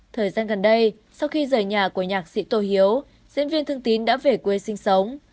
thời gian gần đây sau khi rời nhà của nhạc sĩ tô hiếu diễn viên thương tín đã về quê sinh sống